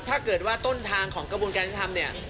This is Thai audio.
ถ้าเกิดว่าต้นทางของกระบวนการยุทธรรมเนี่ย